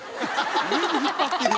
上に引っ張ってる？